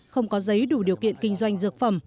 không có giấy đủ điều kiện kinh doanh dược phẩm